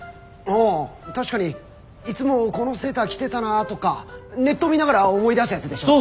あぁ確かにいつもこのセーター着てたなとかネット見ながら思い出すやつでしょ。